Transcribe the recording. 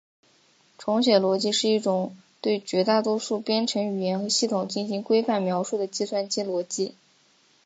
重写逻辑是一种对绝大多数编程语言和系统进行规范描述的计算机逻辑。